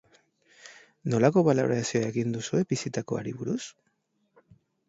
Nolako balorazioa egin duzue bizitakoari buruz?